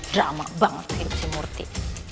drama banget kehidupan si murti